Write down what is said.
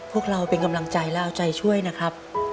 พวกเราเป็นกำลังใจแล้วเอาใจช่วยนะครับ